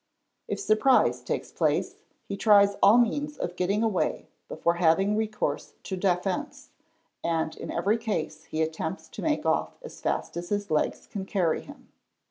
If surprise takes place, he tries all means of getting away before having 'recourse to defence, and in every case he attempts to make off as fast as his legs can carry him.